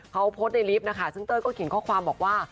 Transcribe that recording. เขาโพสต์ในลิฟต์นะคะซึ่งเต้ยก็เขียนข้อความบอกว่า